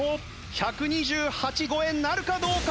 １２８超えなるかどうか？